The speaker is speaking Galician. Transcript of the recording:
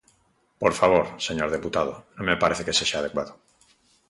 Por favor, señor deputado, non me parece que sexa adecuado.